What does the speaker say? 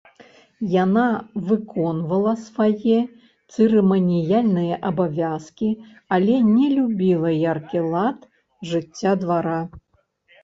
Яна выконвала свае цырыманіяльныя абавязкі, але не любіла яркі лад жыцця двара.